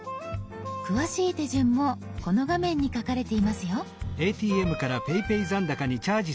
詳しい手順もこの画面に書かれていますよ。